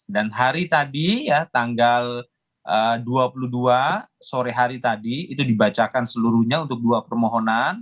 dan hari tadi ya tanggal dua puluh dua sore hari tadi itu dibacakan seluruhnya untuk dua permohonan